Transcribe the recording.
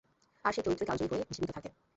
আর সেই চরিত্রই কালজয়ী হয়ে জীবিত থাকে।